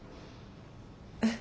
えっ？